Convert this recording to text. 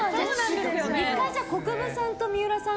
１回、じゃあ國分さんと三浦さん